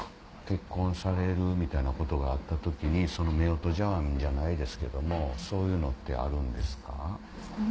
結婚されるみたいなことがあった時にその夫婦茶碗じゃないですけどもそういうのってあるんですか？